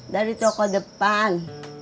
dari toko depan